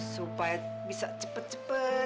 supaya bisa cepet cepet